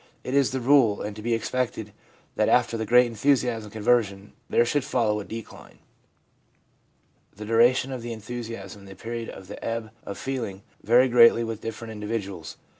It is the rule, and to be expected that after the great enthusiasm of conversion there should follow a decline. The duration of the enthusiasm and the period of the ebb of feeling vary greatly with different individuals.